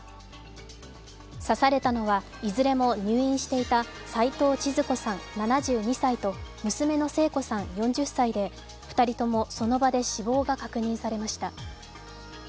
刺されたのは、いずれも入院していた齊藤ちづ子さん７２歳と娘の聖子さん４０歳で２人とのその場で死亡が確認されました。